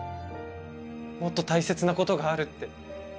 もっと大切な事があるって。